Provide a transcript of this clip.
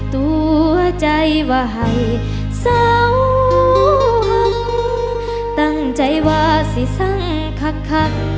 ตัวใจว่าให้เสาตั้งใจว่าสิสังคัก